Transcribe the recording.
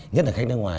nhất là khách nước ngoài